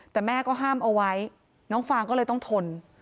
แต่แม่ก็ห้ามเอาไว้น้องฟางก็เลยต้องทน